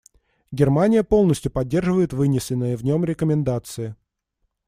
Германия полностью поддерживает вынесенные в нем рекомендации.